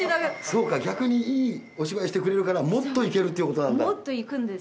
そうか逆にいいお芝居してくれるからもっと行けるっていうことなんだ。